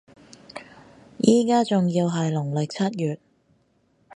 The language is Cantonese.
依家仲要係農曆七月